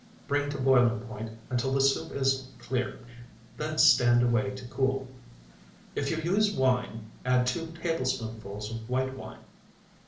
Bring to boiling point until the soup is clear, then stand away to cool. If you use wine, add two tablespoonfuls of white wine.